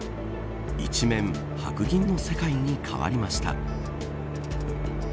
一面、白銀の世界に変わりました。